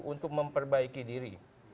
untuk memperbaiki diri